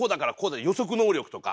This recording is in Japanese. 予測能力とか。